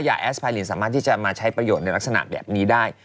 แอสพายลินสามารถที่จะมาใช้ประโยชน์ในลักษณะแบบนี้ได้